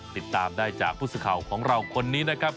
ติดตามได้จากผู้สื่อข่าวของเราคนนี้นะครับ